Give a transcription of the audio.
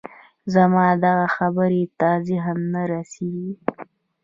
زما دغه خبرې ته ذهن نه رسېږي